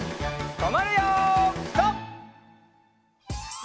とまるよピタ！